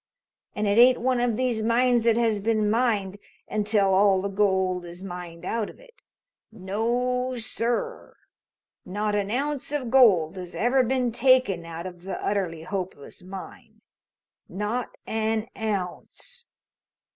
And it ain't one of these mines that has been mined until all the gold is mined out of it. No, sir! Not an ounce of gold has ever been taken out of the Utterly Hopeless Mine. Not an ounce."